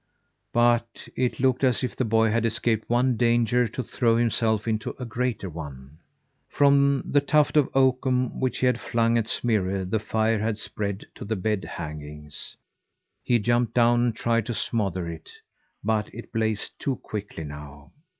But it looked as if the boy had escaped one danger to throw himself into a greater one. From the tuft of oakum which he had flung at Smirre the fire had spread to the bed hangings. He jumped down and tried to smother it, but it blazed too quickly now.